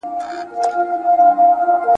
په څير واکمني او خپلواکي ګڼل کېدلې